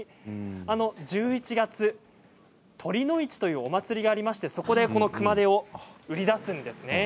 １１月酉の市というお祭りがありましてそこでこの熊手を売り出すんです。